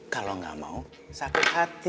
kalau nggak mau sakit hati